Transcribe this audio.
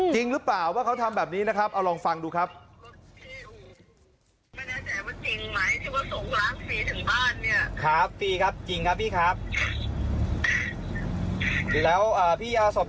จริงหรือเปล่าว่าเขาทำแบบนี้นะครับเอาลองฟังดูครับ